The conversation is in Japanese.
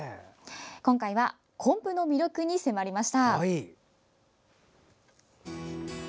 今回は昆布の魅力に迫りました！